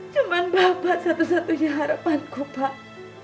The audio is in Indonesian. cuma bapak satu satunya harapanku pak